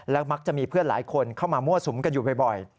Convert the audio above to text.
มักจะมีเพื่อนหลายคนเข้ามามั่วสุมกันอยู่บ่อย